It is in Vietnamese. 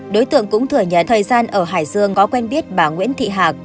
đối tượng cũng thừa nhận thời gian ở hải dương có quen biết bà nguyễn thị hạc